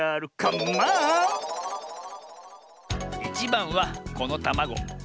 １ばんはこのたまご。